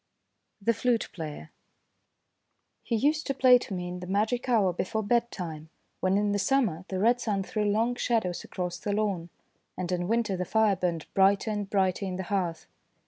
THE FLUTE PLAYER HE used to play to me in the magic hour before bedtime, when, in the summer, the red sun threw long shadows across the lawn, and in winter the fire burned brighter and brighter in the hearth.